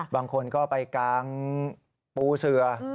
บางคนก็ไปกางปูเสือ